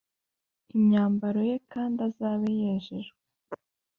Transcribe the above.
Imyambaro ye kandi azabe yejejwe